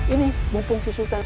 ini mumpung si sultan